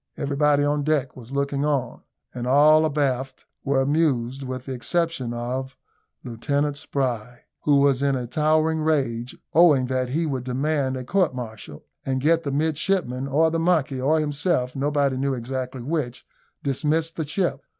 Everybody on deck was looking on, and all abaft were amused, with the exception of Lieutenant Spry, who was in a towering rage, vowing that he would demand a court martial, and get the midshipmen, or the monkey, or himself nobody knew exactly which dismissed the ship.